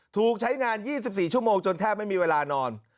ถูกใช้งาน๒๔ชั่วโมงจนแทบไม่มีเวลานอน